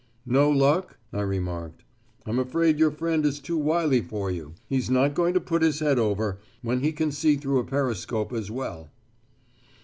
"No luck?" I remarked. "I'm afraid your friend is too wily for you; he's not going to put his head over, when he can see through a periscope as well."